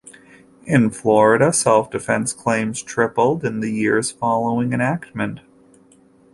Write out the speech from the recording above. In Florida, self-defense claims tripled in the years following enactment.